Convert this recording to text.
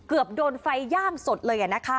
เกือบโดนไฟย่างสดเลย